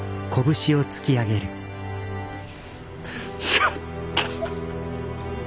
やった！